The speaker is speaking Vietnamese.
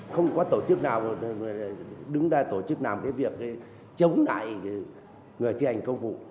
không có tổ chức nào đứng ra tổ chức làm cái việc chống lại người thi hành công vụ